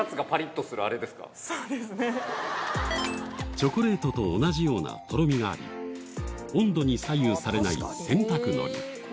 チョコレートと同じようなとろみがあり温度に左右されない洗濯のり